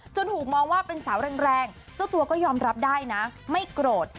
ถูกมองว่าเป็นสาวแรงเจ้าตัวก็ยอมรับได้นะไม่โกรธ